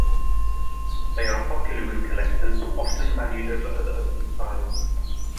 They are popular with collectors, often valued over other open styles.